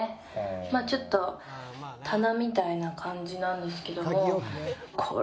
まあちょっと棚みたいな感じなんですけども。